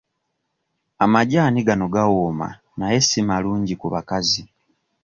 Amajaani gano gawooma naye si malungi ku bakazi.